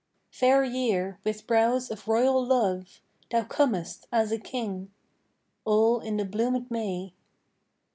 III Fair year, with brows of royal love Thou comest, as a King. All in the bloomèd May.